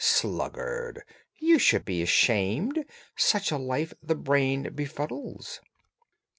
Sluggard! You should be ashamed. Such a life the brain befuddles."